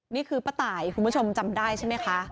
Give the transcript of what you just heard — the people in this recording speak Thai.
นี่คือป้าตายคุณผู้ชมจำได้ใช่ไหมคะ